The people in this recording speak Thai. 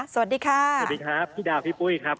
สวัสดีค่ะสวัสดีครับพี่ดาวพี่ปุ้ยครับ